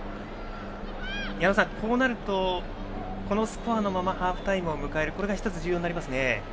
矢野さん、こうなるとこのスコアのままハーフタイムを迎えることが１つ重要になりますね。